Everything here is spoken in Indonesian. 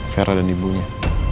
vera dan ibunya